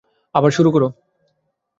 আবার শুরু করো।